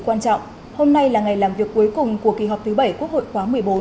quan trọng hôm nay là ngày làm việc cuối cùng của kỳ họp thứ bảy quốc hội khóa một mươi bốn